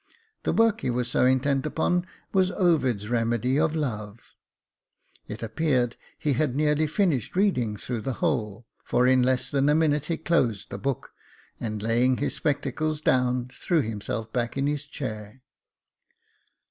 The work he was so intent upon was Ovid's Remedy of Love." It appeared that he had nearly finished reading through the whole, for in less than a minute he closed the book, and laying his spectacles down, threw himself back in his chair.